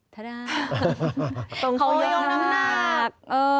ตรงโทยกน้ำหนัก